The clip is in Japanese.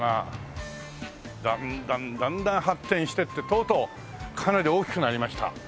だんだんだんだん発展していってとうとうかなり大きくなりました。